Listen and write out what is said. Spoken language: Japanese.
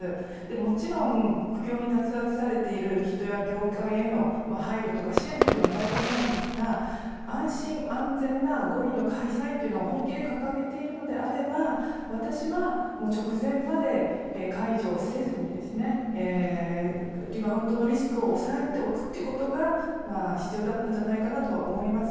もちろん、苦境に立たされている人や業界への配慮とか支援は大切ですが安心・安全な五輪の開催というのを本気で掲げているのであれば私は、直前まで解除せずにリバウンドのリスクを抑えておくということが必要だったんじゃないかと思います。